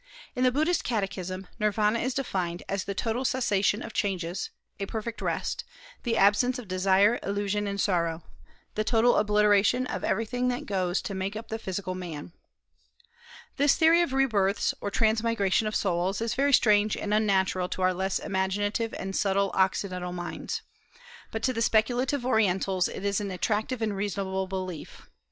In the Buddhist catechism Nirvana is defined as the "total cessation of changes; a perfect rest; the absence of desire, illusion, and sorrow; the total obliteration of everything that goes to make up the physical man." This theory of re births, or transmigration of souls, is very strange and unnatural to our less imaginative and subtile Occidental minds; but to the speculative Orientals it is an attractive and reasonable belief.